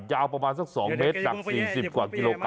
ยาวประมาณสัก๒เมตรหนัก๔๐กว่ากิโลกรั